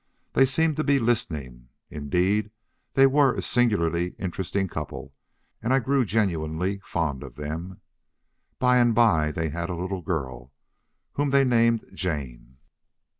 They seemed to be listening. Indeed, they were a singularly interesting couple, and I grew genuinely fond of them. By and by they had a little girl whom they named Jane.